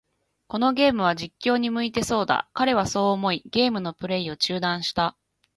このゲームは、実況に向いてそうだ。彼はそう思い、ゲームのプレイを中断した。